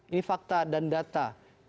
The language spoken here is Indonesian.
ini fakta dan data